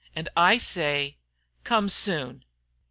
And I say come soon.